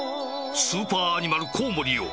スーパーアニマルコウモリよ